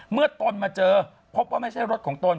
ตนมาเจอพบว่าไม่ใช่รถของตน